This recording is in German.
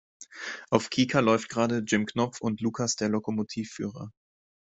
Auf Kika läuft gerade Jim Knopf und Lukas der Lokomotivführer.